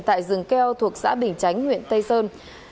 tại rừng keo thuộc xã bình chánh huyện tây sơn